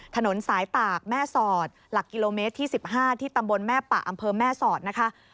ถนนสายตากแม่สอดหลักกิโลเมตรที่๑๕ที่ตำบลแม่ปะอำเภอแม่สอดนะคะ